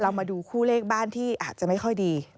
มาดูคู่เลขบ้านที่อาจจะไม่ค่อยดี